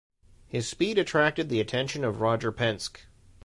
His speed attracted the attention of Roger Penske.